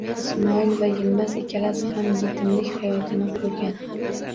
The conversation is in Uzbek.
Ismoil va Yilmaz ikkalasi ham yetimlik hayotini qo'rgan